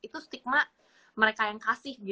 itu stigma mereka yang kasih